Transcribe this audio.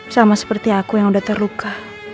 sama seperti aku yang udah terluka